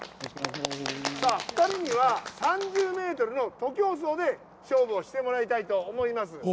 ２人には３０ｍの徒競走で勝負をしてもらいたいと思います。